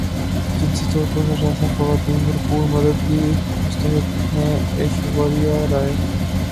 جنسی طور پر ہراساں خواتین بھرپور مدد کی مستحق ہیں ایشوریا رائے